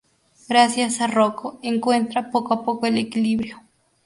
Gracias a Rocko, encuentra poco a poco el equilibrio.